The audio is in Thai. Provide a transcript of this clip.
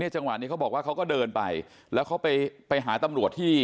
จังหวะนี้เขาบอกว่าเขาก็เดินไปแล้วเขาไปหาตำรวจที่